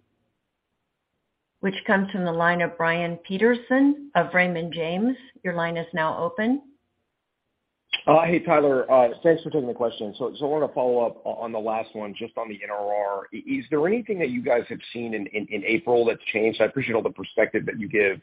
which comes from the line of Brian Peterson of Raymond James. Your line is now open. Hey, Tyler. Thanks for taking the question. I wanna follow up on the last one just on the NRR. Is there anything that you guys have seen in April that's changed? I appreciate all the perspective that you give.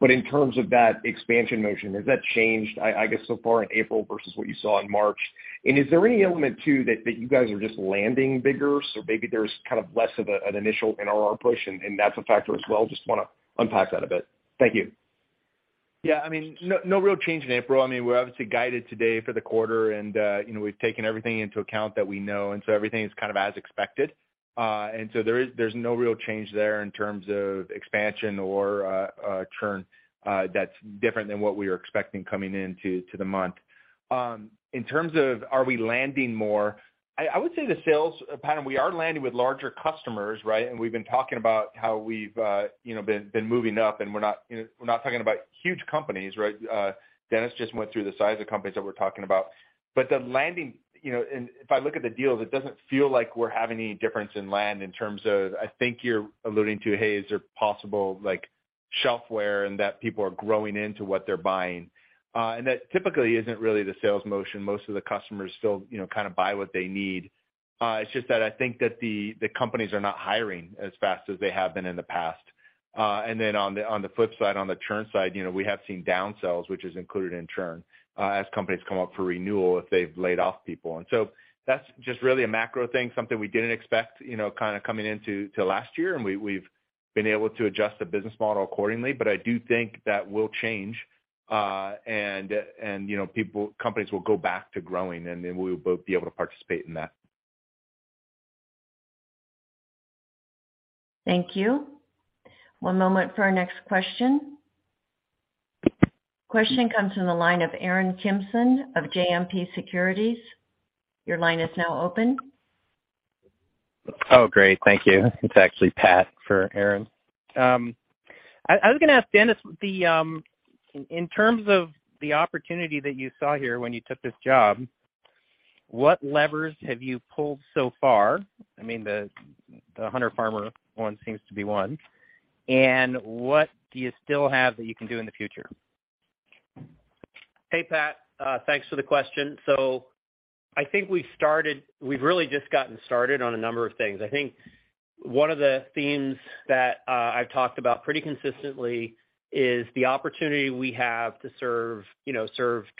In terms of that expansion motion, has that changed, I guess so far in April versus what you saw in March? Is there any element too, that you guys are just landing bigger? Maybe there's kind of less of an initial NRR push and that's a factor as well. Just wanna unpack that a bit. Thank you. Yeah, I mean, no real change in April. I mean, we're obviously guided today for the quarter. We've taken everything into account that we know, everything is kind of as expected. There's no real change there in terms of expansion or churn that's different than what we were expecting coming into the month. In terms of are we landing more, I would say the sales pattern, we are landing with larger customers, right? We've been talking about how we've, you know, been moving up. We're not, you know, we're not talking about huge companies, right? Dennis just went through the size of companies that we're talking about. The landing, you know, and if I look at the deals, it doesn't feel like we're having any difference in land in terms of, I think you're alluding to, hey, is there possible like shelfware and that people are growing into what they're buying? That typically isn't really the sales motion. Most of the customers still, you know, kind of buy what they need. It's just that I think that the companies are not hiring as fast as they have been in the past. On the flip side, on the churn side, you know, we have seen downsells, which is included in churn, as companies come up for renewal if they've laid off people. That's just really a macro thing, something we didn't expect, you know, kind of coming into to last year. We've been able to adjust the business model accordingly. I do think that will change, and, you know, companies will go back to growing, and then we'll both be able to participate in that. Thank you. One moment for our next question. Question comes from the line of Aaron Kimson of JMP Securities. Your line is now open. Oh, great. Thank you. It's actually Pat for Aaron. I was gonna ask Dennis, in terms of the opportunity that you saw here when you took this job, what levers have you pulled so far? I mean, the Hunter Farmer one seems to be one. What do you still have that you can do in the future? Hey, Pat, thanks for the question. I think we've really just gotten started on a number of things. I think one of the themes that I've talked about pretty consistently is the opportunity we have to serve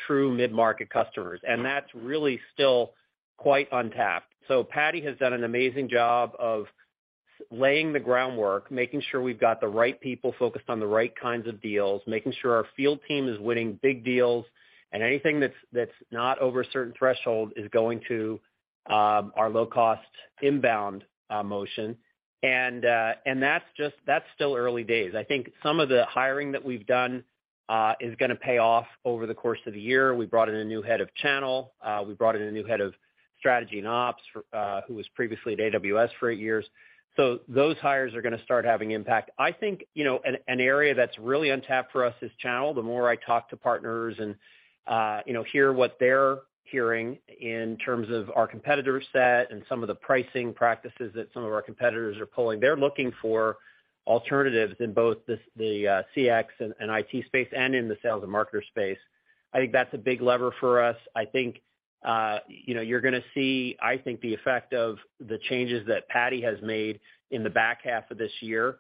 true mid-market customers, and that's really still quite untapped. Pradeep has done an amazing job of laying the groundwork, making sure we've got the right people focused on the right kinds of deals, making sure our field team is winning big deals, and anything that's not over a certain threshold is going to our low-cost inbound motion. That's just, that's still early days. I think some of the hiring that we've done is gonna pay off over the course of the year. We brought in a new head of channel. We brought in a new head. Strategy and ops for who was previously at AWS for eight years. Those hires are gonna start having impact. I think, you know, an area that's really untapped for us is channel. The more I talk to partners and, you know, hear what they're hearing in terms of our competitor set and some of the pricing practices that some of our competitors are pulling, they're looking for alternatives in both the CX and IT space and in the sales and marketer space. I think that's a big lever for us. I think, you know, you're gonna see, I think, the effect of the changes that Patty has made in the back half of this year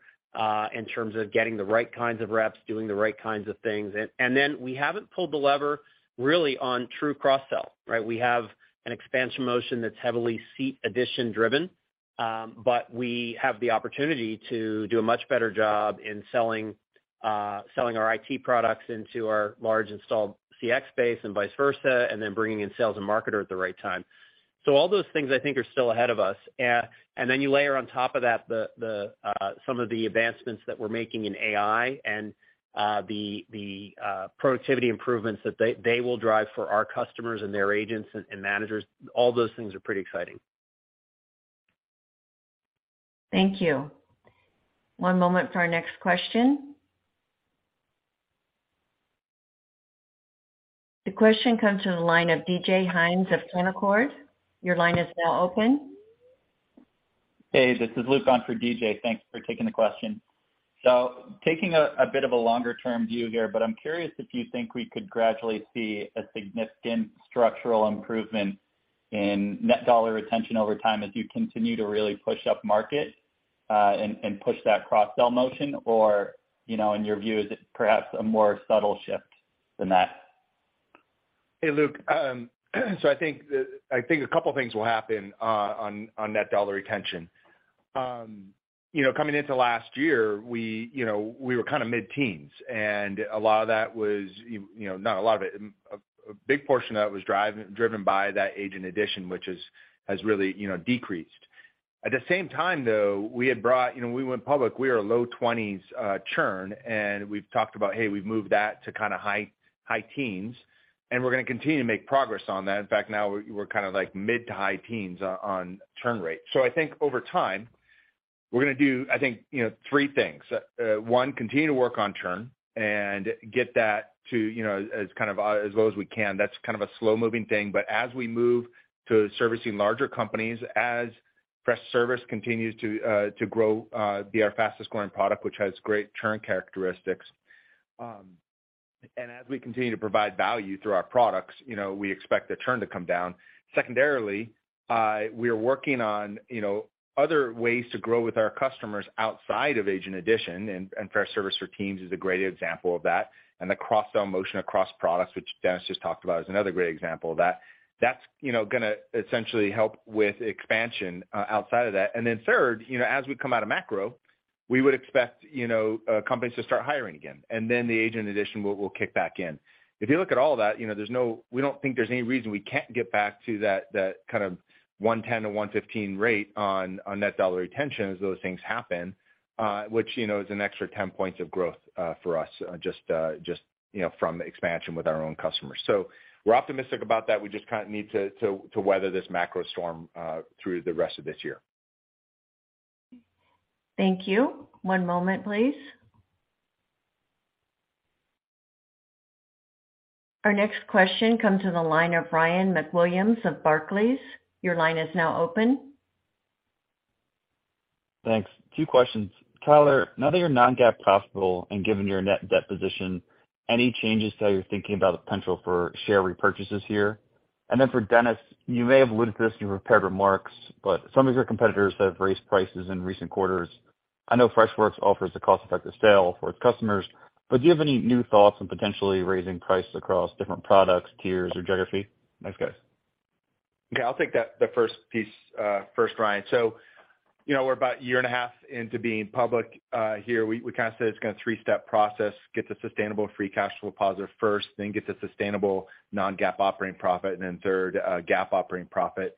in terms of getting the right kinds of reps, doing the right kinds of things. Then we haven't pulled the lever really on true cross sell, right? We have an expansion motion that's heavily seat addition driven, but we have the opportunity to do a much better job in selling our IT products into our large installed CX space and vice versa, and then bringing in Freshsales and Freshmarketer at the right time. All those things I think are still ahead of us. Then you layer on top of that the some of the advancements that we're making in AI, and the productivity improvements that they will drive for our customers and their agents and managers. All those things are pretty exciting. Thank you. One moment for our next question. The question comes from the line of DJ Hynes of Canaccord. Your line is now open. Hey, this is Luke on for DJ. Thanks for taking the question. Taking a bit of a longer term view here, but I'm curious if you think we could gradually see a significant structural improvement in net dollar retention over time as you continue to really push up market, and push that cross sell motion or, you know, in your view, is it perhaps a more subtle shift than that? Hey, Luke. I think a couple things will happen on net dollar retention. You know, coming into last year, we, you know, we were kind of mid-teens, and a lot of that was, you know, a big portion of it was driven by that agent addition, which has really, you know, decreased. At the same time, though, we had brought, you know, we went public, we were a low 20s churn, and we've talked about, hey, we've moved that to kind of high teens, and we're gonna continue to make progress on that. In fact, now we're kind of like mid to high teens on churn rate. I think over time we're gonna do, I think, you know, 3 things. One, continue to work on churn and get that to, you know, as kind of, as low as we can. That's kind of a slow-moving thing. As we move to servicing larger companies, as Freshservice continues to grow, be our fastest growing product, which has great churn characteristics, and as we continue to provide value through our products, you know, we expect the churn to come down. Secondarily, we are working on, you know, other ways to grow with our customers outside of agent addition, and Freshservice for Teams is a great example of that. The cross-sell motion across products, which Dennis just talked about, is another great example of that. That's, you know, gonna essentially help with expansion outside of that. Third, you know, as we come out of macro, we would expect, you know, companies to start hiring again, then the agent addition will kick back in. If you look at all that, you know, we don't think there's any reason we can't get back to that kind of 110%-115% rate on net dollar retention as those things happen, which, you know, is an extra 10 points of growth for us, just, you know, from expansion with our own customers. We're optimistic about that. We just kind of need to weather this macro storm through the rest of this year. Thank you. One moment, please. Our next question comes from the line of Ryan MacWilliams of Barclays. Your line is now open. Thanks. Two questions. Tyler, now that you're non-GAAP profitable and given your net debt position, any changes to how you're thinking about the potential for share repurchases here? For Dennis, you may have alluded to this in your prepared remarks, some of your competitors have raised prices in recent quarters. I know Freshworks offers a cost-effective sale for its customers, do you have any new thoughts on potentially raising prices across different products, tiers, or geography? Thanks, guys. Okay. I'll take that, the first piece, first, Ryan. You know, we're about 1.5 years into being public. Here we kind of said it's gonna 3-step process, get to sustainable free cash flow positive first, then get to sustainable non-GAAP operating profit, and then third, GAAP operating profit.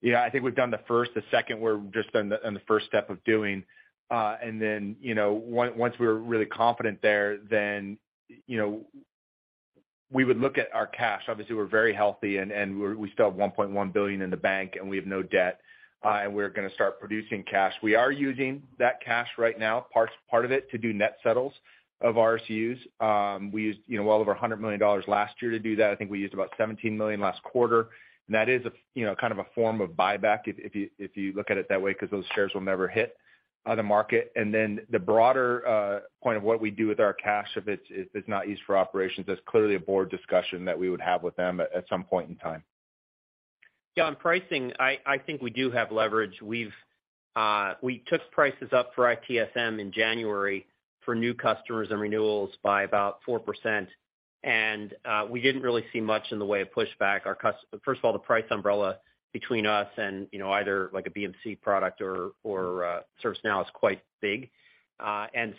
You know, I think we've done the first. The second we're just on the first step of doing. You know, once we're really confident there, then, you know, we would look at our cash. Obviously, we're very healthy and we still have $1.1 billion in the bank, and we have no debt, and we're gonna start producing cash. We are using that cash right now, part of it, to do net settles of RSUs. We used, you know, well over $100 million last year to do that. I think we used about $17 million last quarter. That is a, you know, kind of a form of buyback if you look at it that way, 'cause those shares will never hit the market. Then the broader point of what we do with our cash if it's not used for operations, that's clearly a board discussion that we would have with them at some point in time. Yeah, on pricing, I think we do have leverage. We've, we took prices up for ITSM in January for new customers and renewals by about 4%. We didn't really see much in the way of pushback. First of all, the price umbrella between us and, you know, either like a BMC product or, ServiceNow is quite big.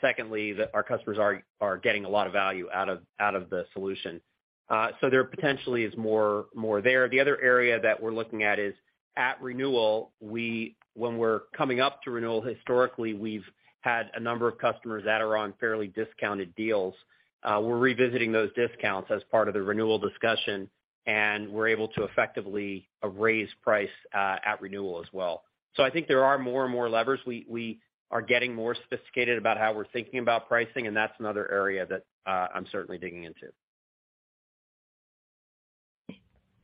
Secondly, that our customers are getting a lot of value out of the solution. There potentially is more there. The other area that we're looking at is at renewal, when we're coming up to renewal, historically, we've had a number of customers that are on fairly discounted deals. We're revisiting those discounts as part of the renewal discussion, and we're able to effectively raise price at renewal as well. I think there are more and more levers. We are getting more sophisticated about how we're thinking about pricing, and that's another area that I'm certainly digging into.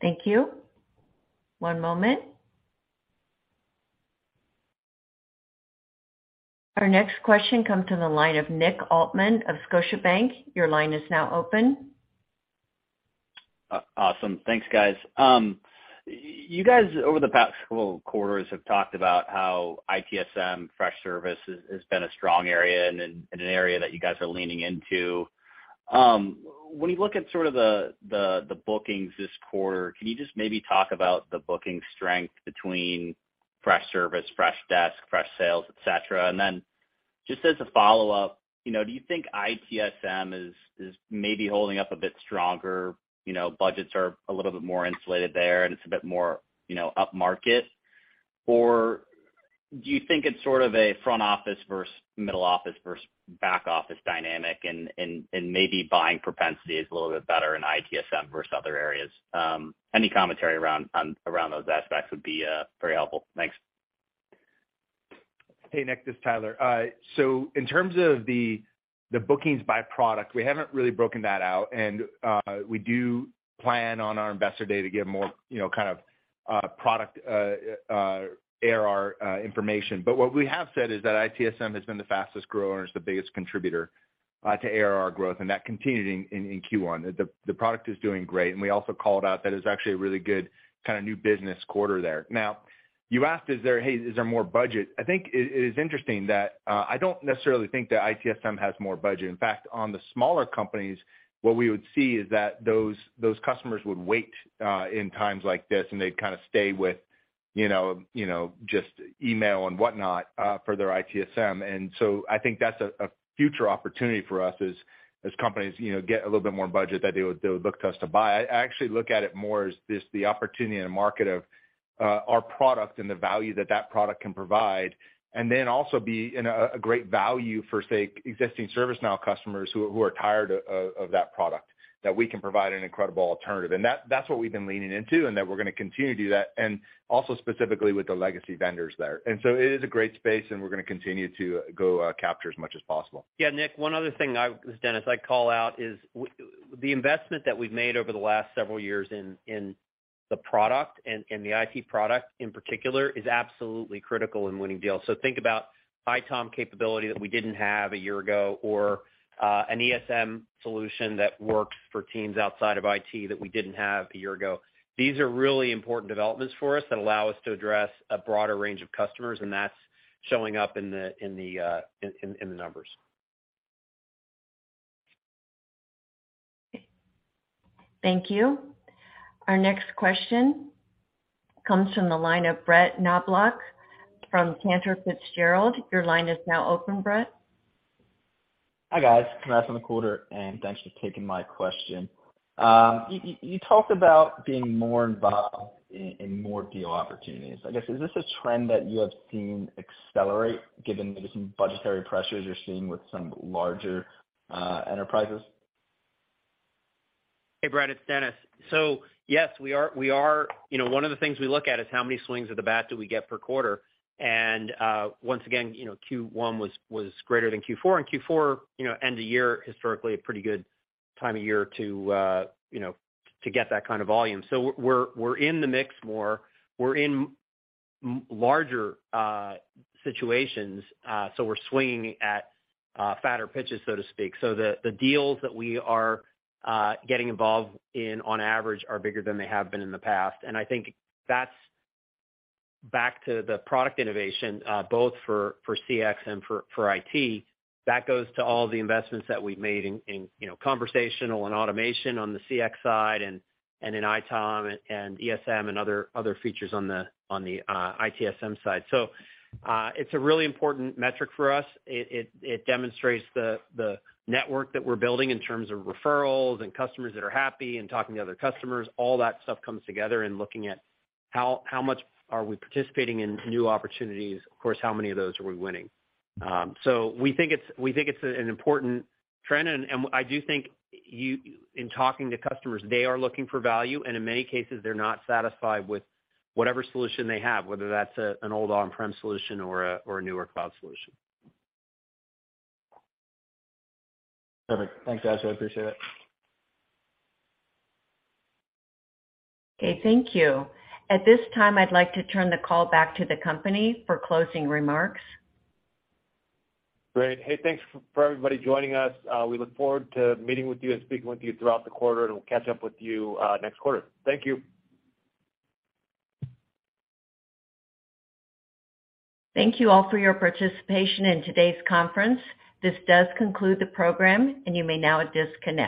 Thank you. One moment. Our next question comes from the line of Nick Altmann of Scotiabank. Your line is now open. Awesome. Thanks, guys. You guys, over the past couple of quarters, have talked about how ITSM Freshservice has been a strong area and an area that you guys are leaning into. When you look at sort of the bookings this quarter, can you just maybe talk about the booking strength between Freshservice, Freshdesk, Freshsales, etc.? Just as a follow-up, you know, do you think ITSM is maybe holding up a bit stronger, you know, budgets are a little bit more insulated there and it's a bit more, you know, upmarket? Or do you think it's sort of a front office versus middle office versus back office dynamic and maybe buying propensity is a little bit better in ITSM versus other areas? Any commentary around those aspects would be very helpful. Thanks. Hey, Nick, this is Tyler. In terms of the bookings by product, we haven't really broken that out, and we do plan on our investor day to give more, you know, kind of product ARR information. What we have said is that ITSM has been the fastest grower and it's the biggest contributor to ARR growth, and that continued in Q1. The product is doing great. We also called out that it was actually a really good kinda new business quarter there. You asked is there, hey, is there more budget? I think it is interesting that I don't necessarily think that ITSM has more budget. In fact, on the smaller companies, what we would see is that those customers would wait in times like this, and they'd kinda stay with, you know, you know, just email and whatnot, for their ITSM. I think that's a future opportunity for us as companies, you know, get a little bit more budget that they would look to us to buy. I actually look at it more as this, the opportunity and the market of our product and the value that that product can provide, and then also be in a great value for, say, existing ServiceNow customers who are tired of that product, that we can provide an incredible alternative. That's what we've been leaning into, and that we're gonna continue to do that. Specifically with the legacy vendors there. It is a great space, and we're going to continue to go, capture as much as possible. Yeah. Nick, one other thing. This is Dennis. I'd call out is the investment that we've made over the last several years in the product and the IT product in particular is absolutely critical in winning deals. Think about ITOM capability that we didn't have a year ago or an ESM solution that works for teams outside of IT that we didn't have a year ago. These are really important developments for us that allow us to address a broader range of customers, and that's showing up in the numbers. Thank you. Our next question comes from the line of Brett Knoblauch from Cantor Fitzgerald. Your line is now open, Brett. Hi, guys. Congrats on the quarter. Thanks for taking my question. You talked about being more involved in more deal opportunities. I guess, is this a trend that you have seen accelerate given maybe some budgetary pressures you're seeing with some larger enterprises? Hey, Brett, it's Dennis. Yes, we are. You know, one of the things we look at is how many swings of the bat do we get per quarter. Once again, you know, Q1 was greater than Q4. Q4, you know, end of year, historically a pretty good time of year to, you know, to get that kind of volume. We're in the mix more. We're in larger situations, so we're swinging at fatter pitches, so to speak. The deals that we are getting involved in on average are bigger than they have been in the past. I think that's back to the product innovation, both for CX and for IT. That goes to all the investments that we've made in, you know, conversational and automation on the CX side and in ITOM and ESM and other features on the ITSM side. It's a really important metric for us. It demonstrates the network that we're building in terms of referrals and customers that are happy and talking to other customers. All that stuff comes together in looking at how much are we participating in new opportunities, of course, how many of those are we winning. We think it's an important trend. I do think you in talking to customers, they are looking for value, and in many cases, they're not satisfied with whatever solution they have, whether that's an old on-prem solution or a newer cloud solution. Perfect. Thanks, guys. I appreciate it. Okay, thank you. At this time, I'd like to turn the call back to the company for closing remarks. Great. Hey, thanks for everybody joining us. We look forward to meeting with you and speaking with you throughout the quarter, and we'll catch up with you next quarter. Thank you. Thank you all for your participation in today's conference. This does conclude the program. You may now disconnect.